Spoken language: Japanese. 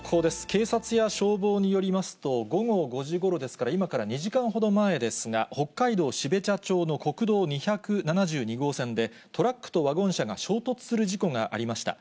警察や消防によりますと、午後５時ごろですから、今から２時間ほど前ですが、北海道標茶町の国道２７２号線で、トラックとワゴン車が衝突する事故がありました。